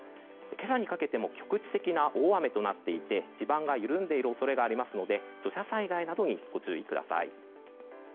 今朝にかけても局地的な大雨となっていて地盤が緩んでいる恐れがありますので土砂災害などにご注意ください。